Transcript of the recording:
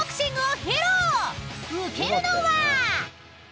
［受けるのは］